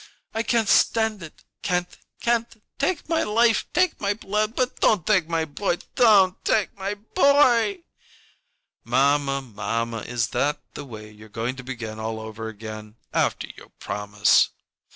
"I can't stand it! Can't! Can't! Take my life take my blood, but don't take my boy don't take my boy " "Mamma, mamma, is that the way you're going to begin all over again, after your promise?"